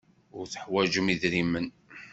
Ur teḥwajem idrimen.